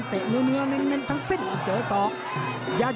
ติดตามยังน้อยกว่า